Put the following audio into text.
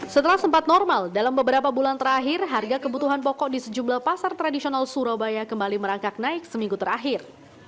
setelah sempat normal dalam beberapa bulan terakhir harga kebutuhan pokok di sejumlah pasar tradisional surabaya kembali merangkak naik seminggu terakhir